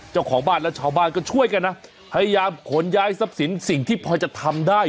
เจ้าของบ้านและชาวบ้านก็ช่วยกันนะพยายามขนย้ายทรัพย์สินสิ่งที่พอจะทำได้